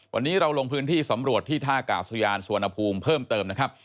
วันนี้เราลงพื้นที่สำรวจที่ท่ากาศยานสุวรรณภูมิเพิ่มเติมนะครับ